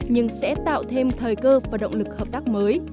nhưng sẽ tạo thêm thời cơ và động lực hợp tác mới